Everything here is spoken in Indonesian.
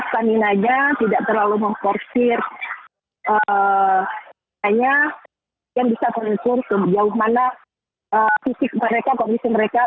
stamina nya tidak terlalu memforsir yang bisa menunjukan jauh mana fisik mereka kondisi mereka